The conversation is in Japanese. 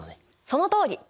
そのとおり！